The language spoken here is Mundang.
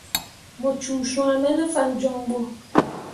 Mu cuu swãme ne fan joŋ bo.